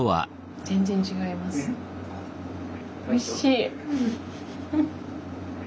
おいしい。